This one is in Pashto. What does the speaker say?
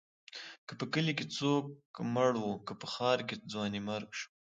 که په کلي کې څوک مړ و، که په ښار کې ځوانيمرګ شو.